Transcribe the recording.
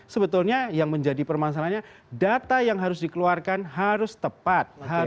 sebetulnya yang menjadi permasalahannya data yang harus dikeluarkan harus tepat